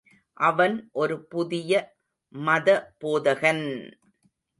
அவன் ஒரு புதிய மதபோதகன்!